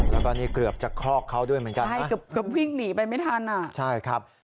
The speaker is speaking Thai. แล้วก็นี่เกือบจะคอกเขาด้วยเหมือนกันใช่เกือบวิ่งหนีไปไม่ทันอ่ะใช่ครับ